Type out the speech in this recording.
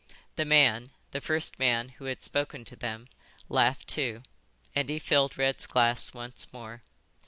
The man, the first man who had spoken to them, laughed too, and he filled Red's glass once more.